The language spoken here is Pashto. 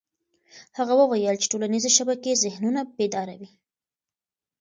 هغه وویل چې ټولنيزې شبکې ذهنونه بیداروي.